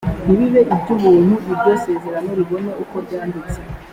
ntibibe iby ‘ubuntu iryo sezerano ribone ukoryanditse.